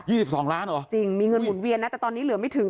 สิบสองล้านเหรอจริงมีเงินหมุนเวียนนะแต่ตอนนี้เหลือไม่ถึง